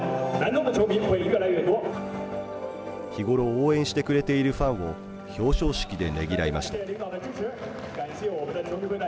日ごろ応援してくれているファンを表彰式でねぎらいました。